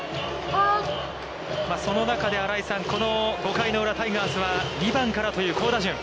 その中で新井さん、この５回裏タイガースは、２番からという好打順。